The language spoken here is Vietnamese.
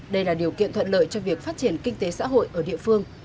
đây là điều kiện thuận lợi cho việc phát triển kinh tế xã hội ở địa phương